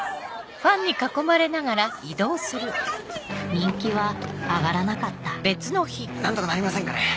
人気は上がらなかった何とかなりませんかね？